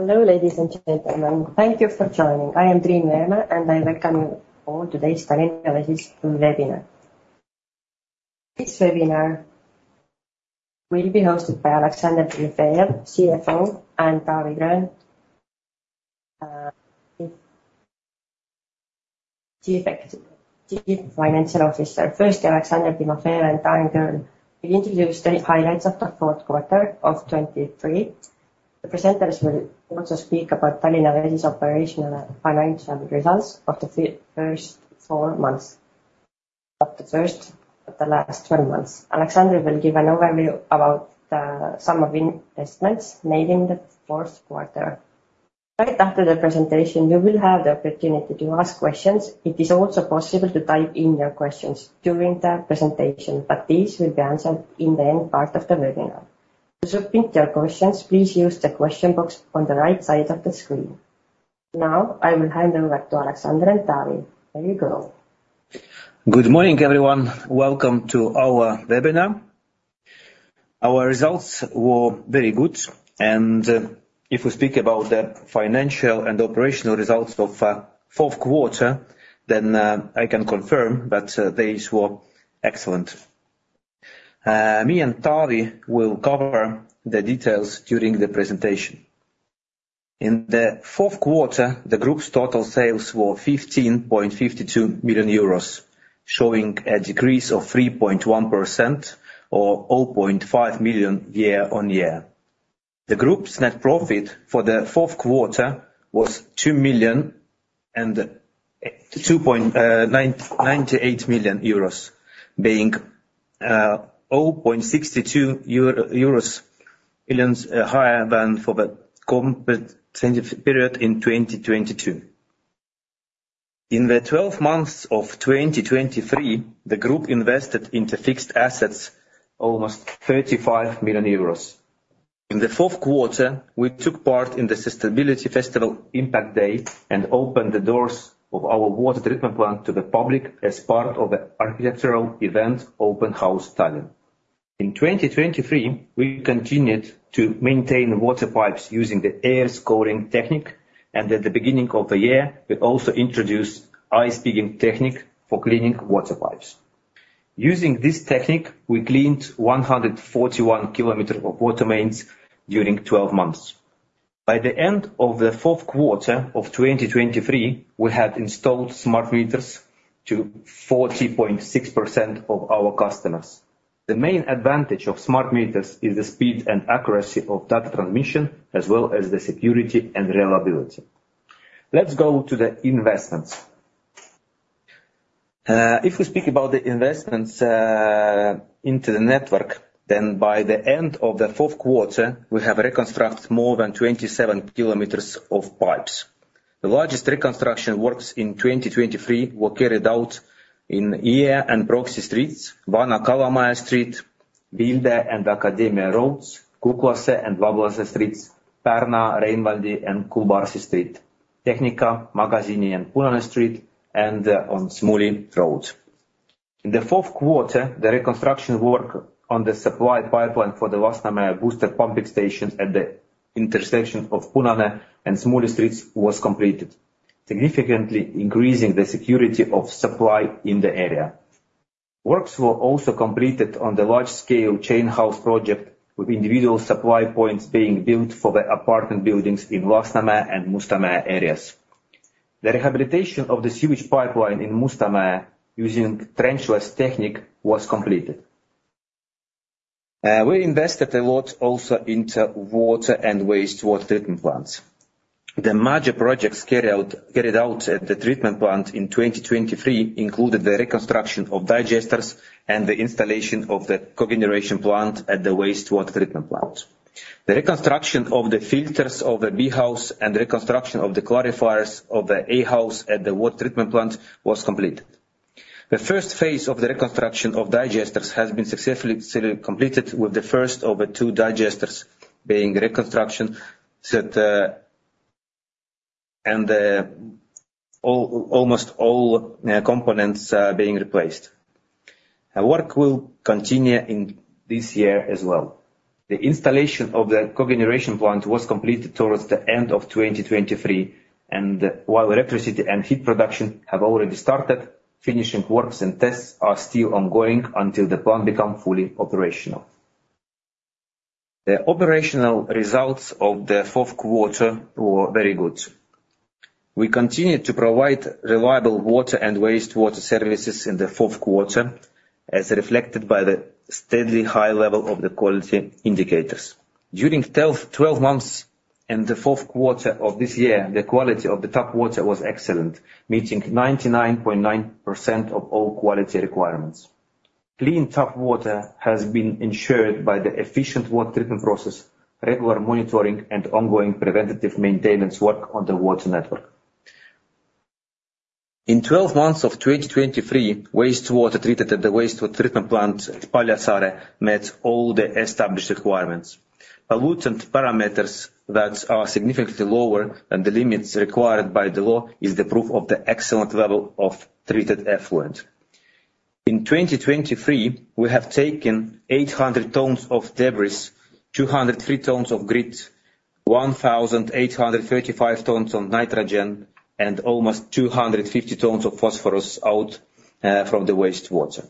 Hello, ladies and gentlemen, thank you for joining. I am [Dream Merma], and I welcome you for today's Tallinna Vesi webinar. This webinar will be hosted by Aleksandr Timofejev, CEO, and Taavi Gröön, Chief Financial Officer. First, Aleksandr Timofejev and Taavi Gröön will introduce the highlights of the fourth quarter of 2023. The presenters will also speak about Tallinna Vesi's operational and financial results of the first four months, of the first of the last 12 months. Aleksandr will give an overview about the sum of investments made in the fourth quarter. Right after the presentation, you will have the opportunity to ask questions. It is also possible to type in your questions during the presentation, but these will be answered in the end part of the webinar. To submit your questions, please use the question box on the right side of the screen. Now, I will hand over to Aleksandr and Taavi. There you go. Good morning, everyone. Welcome to our webinar. Our results were very good, and if we speak about the financial and operational results of fourth quarter, then I can confirm that these were excellent. Me and Taavi will cover the details during the presentation. In the fourth quarter, the group's total sales were 15.52 million euros, showing a decrease of 3.1% or 0.5 million year-on-year. The group's net profit for the fourth quarter was 2.998 million, being 0.62 million euros higher than for the comparable period in 2022. In the 12 months of 2023, the group invested into fixed assets almost 35 million euros. In the fourth quarter, we took part in the Sustainability Festival Impact Day and opened the doors of our water treatment plant to the public as part of the architectural event, Open House Tallinn. In 2023, we continued to maintain water pipes using the air scouring technique, and at the beginning of the year, we also introduced ice pigging technique for cleaning water pipes. Using this technique, we cleaned 141 kilometers of water mains during 12 months. By the end of the fourth quarter of 2023, we had installed smart meters to 40.6% of our customers. The main advantage of smart meters is the speed and accuracy of data transmission, as well as the security and reliability. Let's go to the investments. If we speak about the investments into the network, then by the end of the fourth quarter, we have reconstructed more than 27 km of pipes. The largest reconstruction works in 2023 were carried out in Iia and Pronksi Streets, Vana-Kalamaja Street, Vilde and Akadeemia Roads, Kukruse and Vapruse Streets, Pärna, Reinvaldi, and Kuhlbarsi Streets, Tehnika, Magasini, and Punane Streets, and on Smuuli Road. In the fourth quarter, the reconstruction work on the supply pipeline for the Lasnamäe booster pumping station at the intersection of Punane and Smuuli Streets was completed, significantly increasing the security of supply in the area. Works were also completed on the large-scale chain house project, with individual supply points being built for the apartment buildings in Lasnamäe and Mustamäe areas. The rehabilitation of the sewage pipeline in Mustamäe, using trenchless technique, was completed. We invested a lot also into water and wastewater treatment plants. The major projects carried out at the treatment plant in 2023 included the reconstruction of digesters and the installation of the cogeneration plant at the wastewater treatment plant. The reconstruction of the filters of the B house and the reconstruction of the clarifiers of the A house at the water treatment plant was completed. The first phase of the reconstruction of digesters has been successfully completed, with the first of the two digesters being reconstructed, and almost all components being replaced. Our work will continue in this year as well. The installation of the cogeneration plant was completed towards the end of 2023, and while electricity and heat production have already started, finishing works and tests are still ongoing until the plant becomes fully operational. The operational results of the fourth quarter were very good. We continued to provide reliable water and wastewater services in the fourth quarter, as reflected by the steadily high level of the quality indicators. During 12 months, in the fourth quarter of this year, the quality of the tap water was excellent, meeting 99.9% of all quality requirements. Clean tap water has been ensured by the efficient water treatment process, regular monitoring, and ongoing preventative maintenance work on the water network. In 12 months of 2023, wastewater treated at the wastewater treatment plant at Paljassaare met all the established requirements. Pollutant parameters that are significantly lower than the limits required by the law is the proof of the excellent level of treated effluent. In 2023, we have taken 800 tons of debris, 203 tons of grit, 1,835 tons of nitrogen, and almost 250 tons of phosphorus out from the wastewater.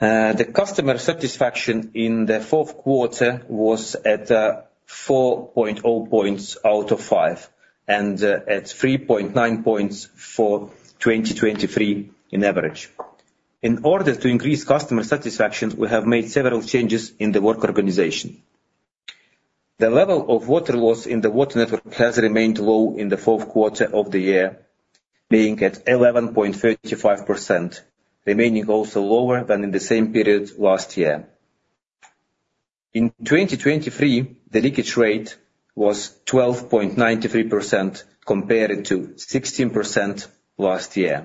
The customer satisfaction in the fourth quarter was at 4.0 points out of five, and at 3.9 points for 2023 in average. In order to increase customer satisfaction, we have made several changes in the work organization. The level of water loss in the water network has remained low in the fourth quarter of the year, being at 11.35%, remaining also lower than in the same period last year. In 2023, the leakage rate was 12.93% compared to 16% last year.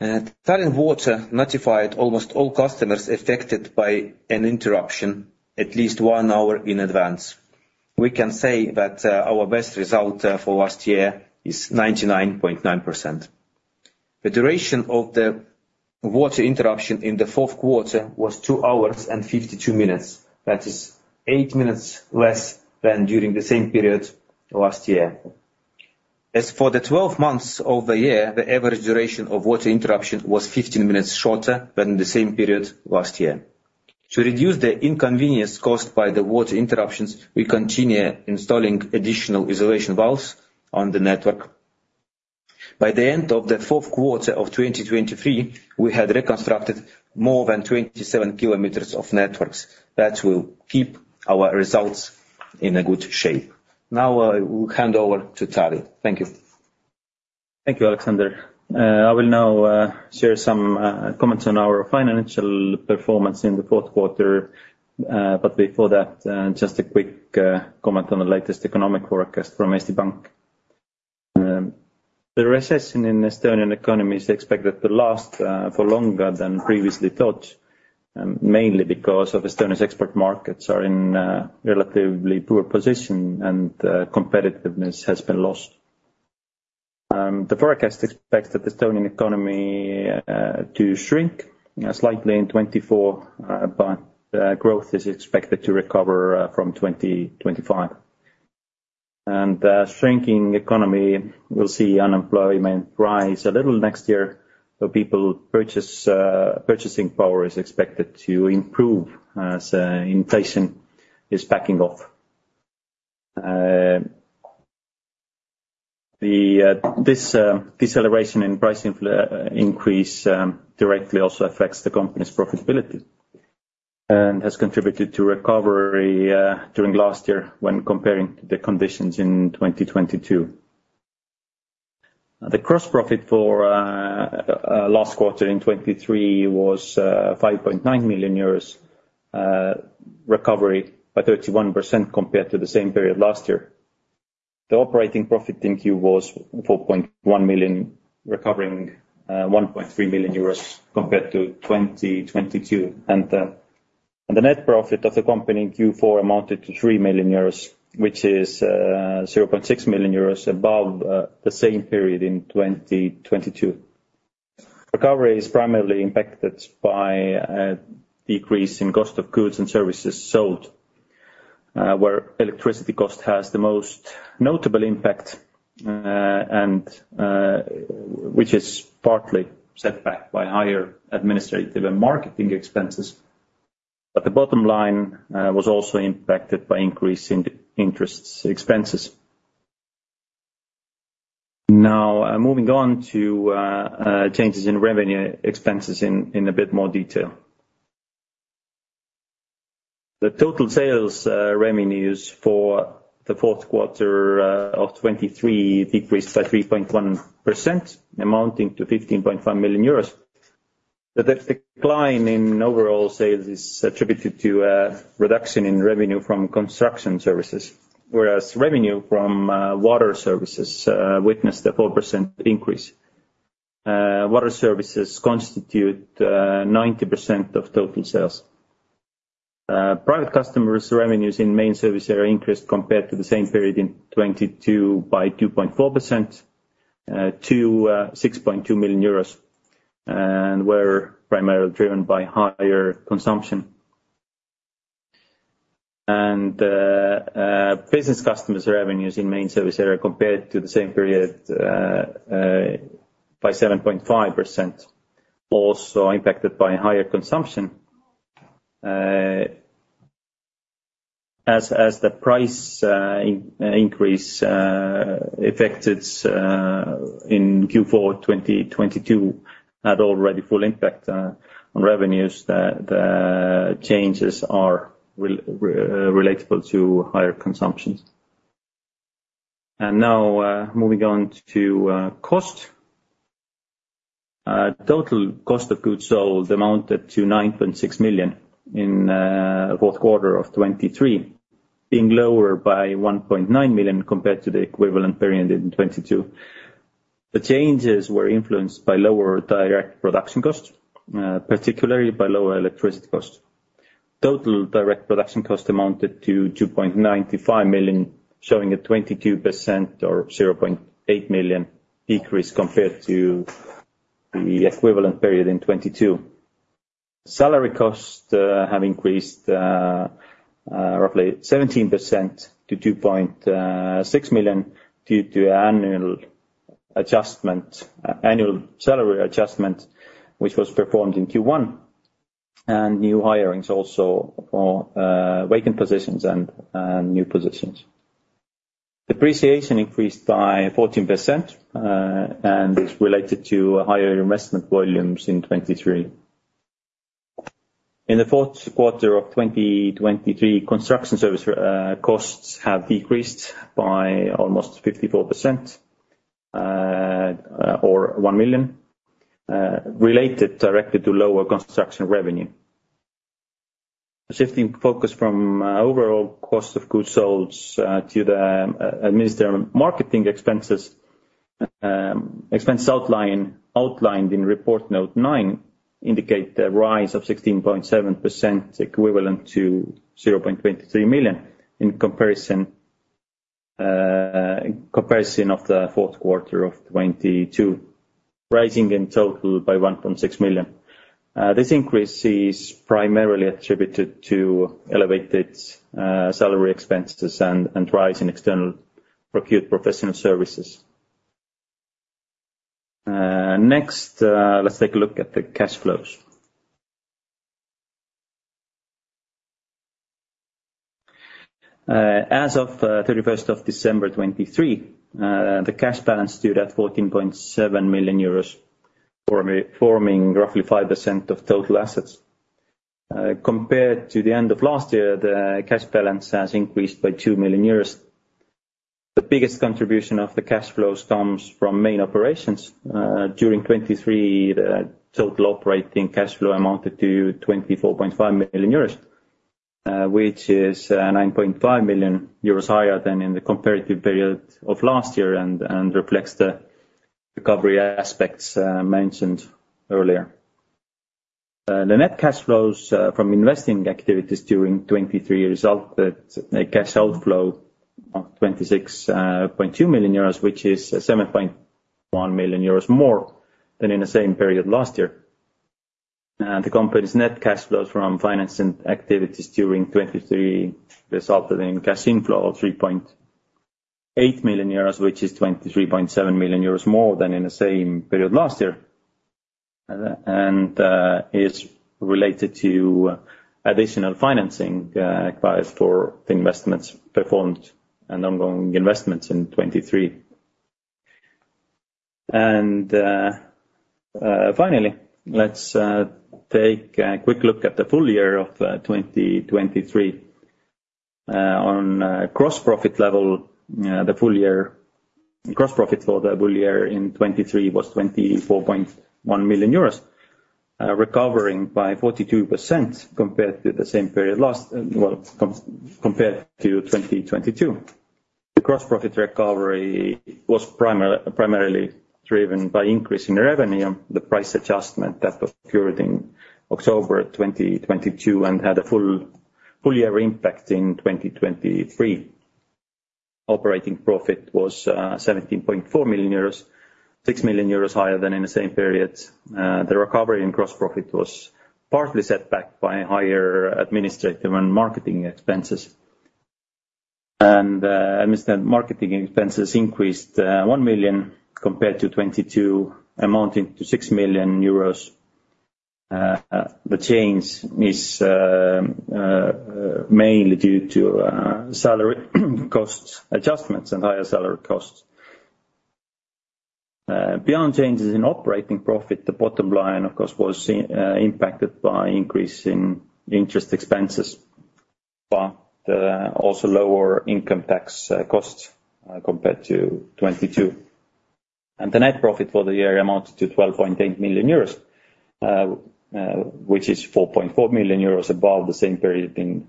Tallinn Water notified almost all customers affected by an interruption at least one hour in advance. We can say that, our best result, for last year is 99.9%. The duration of the water interruption in the fourth quarter was 2 hours and 52 minutes. That is eight minutes less than during the same period last year. As for the 12 months of the year, the average duration of water interruption was 15 minutes shorter than the same period last year. To reduce the inconvenience caused by the water interruptions, we continue installing additional isolation valves on the network. By the end of the fourth quarter of 2023, we had reconstructed more than 27 km of networks. That will keep our results in a good shape. Now, I will hand over to Taavi. Thank you. Thank you, Aleksandr. I will now share some comments on our financial performance in the fourth quarter. But before that, just a quick comment on the latest economic forecast from Eesti Pank. The recession in Estonian economy is expected to last for longer than previously thought, mainly because of Estonia's export markets are in relatively poor position and competitiveness has been lost. The forecast expects that the Estonian economy to shrink slightly in 2024, but growth is expected to recover from 2025. The shrinking economy will see unemployment rise a little next year, so people's purchasing power is expected to improve as inflation is backing off. This deceleration in price increase directly also affects the company's profitability, and has contributed to recovery during last year when comparing the conditions in 2022. The gross profit for last quarter in 2023 was 5.9 million euros, recovery by 31% compared to the same period last year. The operating profit in Q4 was 4.1 million, recovering 1.3 million euros compared to 2022. The net profit of the company in Q4 amounted to 3 million euros, which is 0.6 million euros above the same period in 2022. Recovery is primarily impacted by a decrease in cost of goods and services sold, where electricity cost has the most notable impact, and which is partly set back by higher administrative and marketing expenses. But the bottom line was also impacted by increase in the interest expenses. Now, moving on to changes in revenue expenses in a bit more detail. The total sales revenues for the fourth quarter of 2023 decreased by 3.1%, amounting to 15.5 million euros. The decline in overall sales is attributed to a reduction in revenue from construction services, whereas revenue from water services witnessed a 4% increase. Water services constitute 90% of total sales. Private customers' revenues in main service area increased compared to the same period in 2022 by 2.4% to 6.2 million euros, and were primarily driven by higher consumption. Business customers' revenues in main service area compared to the same period by 7.5%, also impacted by higher consumption. As the price increase affected in Q4 2022 had already full impact on revenues, the changes are relatable to higher consumptions. Now, moving on to cost. Total cost of goods sold amounted to 9.6 million in fourth quarter of 2023, being lower by 1.9 million compared to the equivalent period in 2022. The changes were influenced by lower direct production cost, particularly by lower electricity cost.... Total direct production cost amounted to 2.95 million, showing a 22% or 0.8 million decrease compared to the equivalent period in 2022. Salary costs have increased roughly 17% to 2.6 million due to annual adjustment, annual salary adjustment, which was performed in Q1, and new hirings also for vacant positions and new positions. Depreciation increased by 14%, and it's related to higher investment volumes in 2023. In the fourth quarter of 2023, construction service costs have decreased by almost 54% or 1 million, related directly to lower construction revenue. Shifting focus from overall cost of goods sold to the administrative marketing expenses, expense outline outlined in report note 9 indicate the rise of 16.7%, equivalent to 0.23 million in comparison comparison of the fourth quarter of 2022, rising in total by 1.6 million. This increase is primarily attributed to elevated salary expenses and rise in external procured professional services. Next, let's take a look at the cash flows. As of thirty-first of December 2023, the cash balance stood at 14.7 million euros, forming roughly 5% of total assets. Compared to the end of last year, the cash balance has increased by 2 million euros. The biggest contribution of the cash flows comes from main operations. During 2023, the total operating cash flow amounted to 24.5 million euros, which is 9.5 million euros higher than in the comparative period of last year, and reflects the recovery aspects mentioned earlier. The net cash flows from investing activities during 2023 result in a cash outflow of 26.2 million euros, which is 7.1 million euros more than in the same period last year. The company's net cash flows from financing activities during 2023 resulted in cash inflow of 3.8 million euros, which is 23.7 million euros more than in the same period last year, and is related to additional financing acquired for the investments performed and ongoing investments in 2023. Finally, let's take a quick look at the full year of 2023. On gross profit level, the full year gross profit for the full year in 2023 was 24.1 million euros, recovering by 42% compared to the same period last year, well, compared to 2022. The gross profit recovery was primarily driven by increase in revenue, the price adjustment that occurred in October 2022, and had a full year impact in 2023. Operating profit was 17.4 million euros, 6 million euros higher than in the same period. The recovery in gross profit was partly set back by higher administrative and marketing expenses. Administrative marketing expenses increased one million compared to 2022, amounting to 6 million euros. The change is mainly due to salary costs adjustments and higher salary costs. Beyond changes in operating profit, the bottom line, of course, was impacted by increase in interest expenses, but also lower income tax costs compared to 2022. The net profit for the year amounts to 12.8 million euros, which is 4.4 million euros above the same period in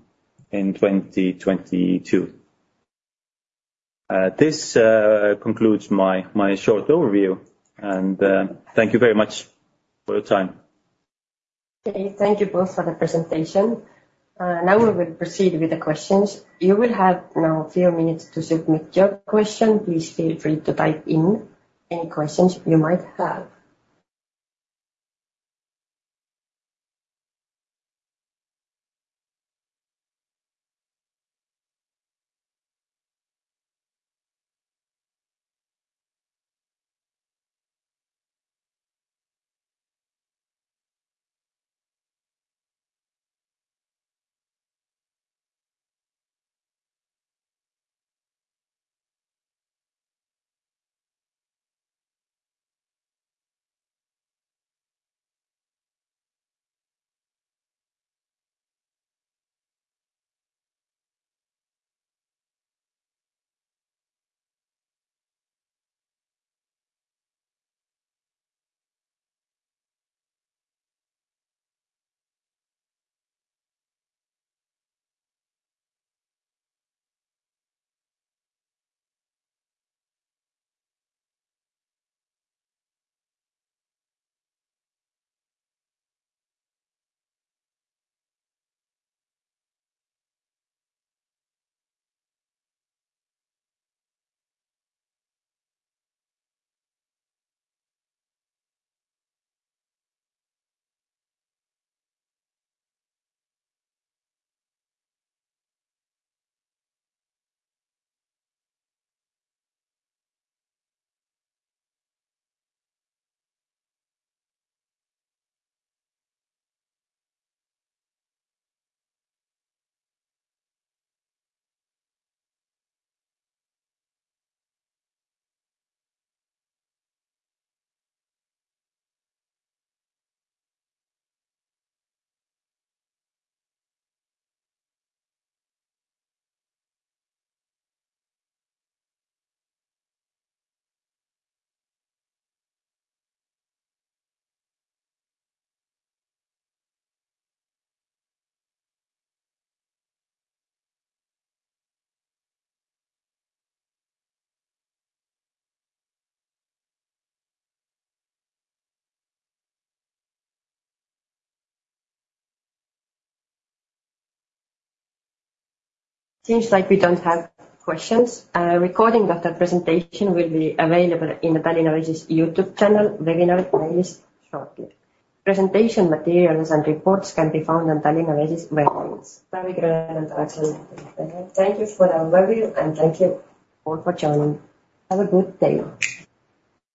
2022. This concludes my short overview, and thank you very much for your time. Okay, thank you both for the presentation. Now we will proceed with the questions. You will have now a few minutes to submit your question. Please feel free to type in any questions you might have. Seems like we don't have questions. A recording of the presentation will be available in the Tallinna Vesi's YouTube channel webinar playlist shortly. Presentation materials and reports can be found on Tallinna Vesi's webinars. Very great introduction. Thank you for the overview, and thank you all for joining. Have a good day.